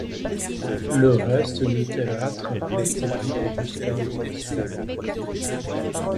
Le reste du théâtre reste vide jusqu'à l'été suivant.